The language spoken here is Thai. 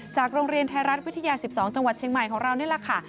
โรงเรียนไทยรัฐวิทยา๑๒จังหวัดเชียงใหม่ของเรานี่แหละค่ะ